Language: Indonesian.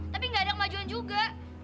tapi gak ada kemajuan juga